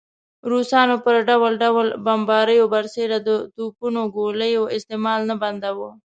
روسانو پر ډول ډول بمباریو برسېره د توپونو ګولیو استعمال نه بنداوه.